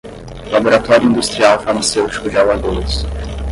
Laboratório Industrial Farmacêutico de Alagoas